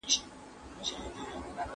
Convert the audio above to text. لوستې نجونې منځګړتوب کوي.